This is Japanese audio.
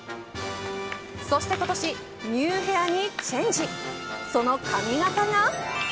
そして今年ニューヘアにチェンジその髪形が。